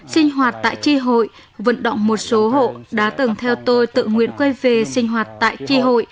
sinh hoạt tại tri hội vận động một số hộ đã từng theo tôi tự nguyện quay về sinh hoạt tại tri hội